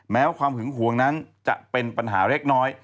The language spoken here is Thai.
แม้ความหึงหวงนั้นจะเป็นปัญหาเล็กน้อย